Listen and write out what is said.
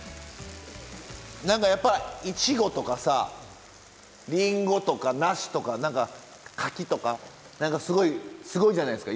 何かやっぱいちごとかさりんごとか梨とか柿とか何かすごいすごいじゃないですか。